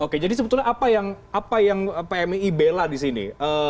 oke jadi sebetulnya apa yang pmi bela disini